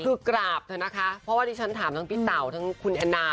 คือกราบเถอะนะคะเพราะว่าที่ฉันถามทั้งพี่เต๋าทั้งคุณแอนนา